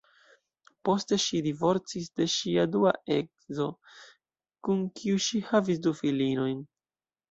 Poste ŝi divorcis de ŝia dua edzo, kun kiu ŝi havis du filinojn.